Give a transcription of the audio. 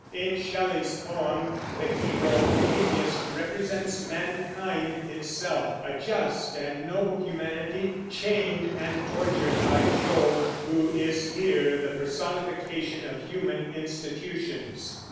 In Shelley's poem the hero, Prometheus, represents mankind itself, a just and noble humanity, chained and tortured by Jove, who is here the personification of human institutions.